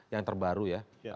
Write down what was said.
yang terbaru ya